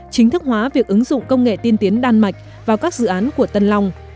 chính thức hóa việc ứng dụng công nghệ tiên tiến đan mạch vào các dự án của tân long